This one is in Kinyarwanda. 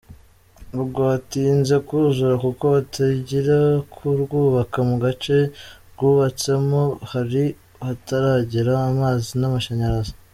Rwatinze kuzura kuko batangira kurwubaka mu gace rwubatsemo hari hataragera amazi n’amashanyarazi.